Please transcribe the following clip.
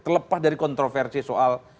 terlepas dari kontroversi soal